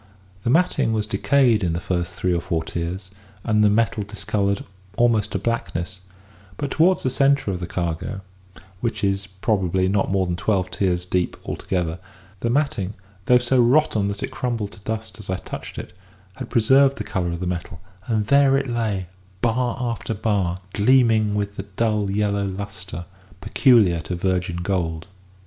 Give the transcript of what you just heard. The matting was decayed in the first three or four tiers, and the metal discoloured almost to blackness; but towards the centre of the cargo (which is, probably, not more than twelve tiers deep altogether), the matting, though so rotten that it crumbled to dust as I touched it, had preserved the colour of the metal; and there it lay, bar after bar, gleaming with the dull yellow lustre peculiar to virgin gold.